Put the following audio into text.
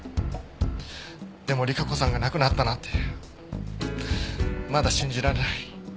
でも莉華子さんが亡くなったなんてまだ信じられない。